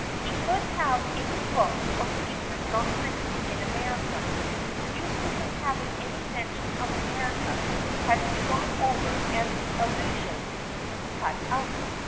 He could have any books or papers not printed in America. Newspapers having any mention of America had to be gone over and the allusions cut out.